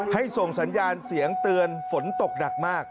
ส่งสัญญาณเสียงเตือนฝนตกหนักมาก